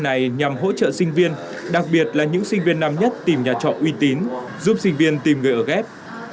này nhằm hỗ trợ sinh viên đặc biệt là những sinh viên năm nhất tìm nhà trọ uy tín giúp sinh viên tìm người ở ghép